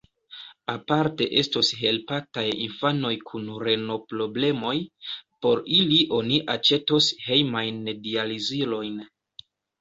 Aparte estos helpataj infanoj kun reno-problemoj: por ili oni aĉetos hejmajn dializilojn.